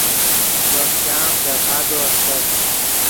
وف چام دے پادو استت